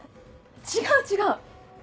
違う違う！